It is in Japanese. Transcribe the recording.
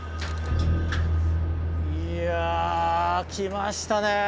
いや来ましたね。